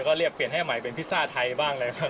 ก็เรียกเปลี่ยนให้ใหม่เป็นพิซซ่าไทยบ้างนะครับ